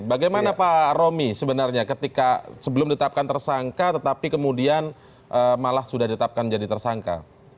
bagaimana pak romi sebenarnya ketika sebelum ditetapkan tersangka tetapi kemudian malah sudah ditetapkan menjadi tersangka